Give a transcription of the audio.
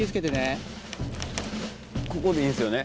ここでいいんですよね。